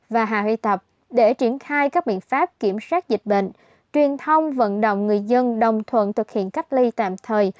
và hà huy tập để triển khai các biện pháp kiểm soát dịch bệnh truyền thông vận động người dân đồng thuận thực hiện cách ly tạm thời